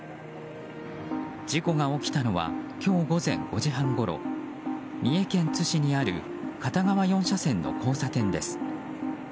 事故が起きたのは今日午前５時半ごろ三重県津市にある片側４車線の交差点です。